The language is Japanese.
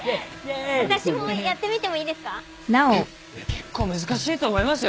結構難しいと思いますよ。